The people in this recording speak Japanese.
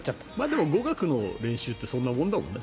でも、語学の練習ってそんなもんだもんね。